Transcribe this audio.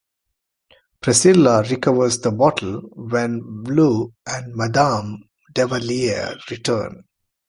Priscilla recovers the bottle when V'lu and Madame Devalier return.